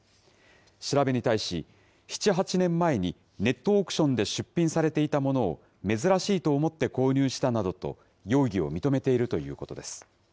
調べに対し、７、８年前にネットオークションで出品されていたものを珍しいと思って購入したなどと、容疑を認めているということです。